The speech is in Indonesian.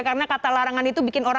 karena kata larangan itu bikin lebih berat